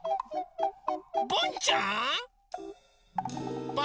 ボンちゃん？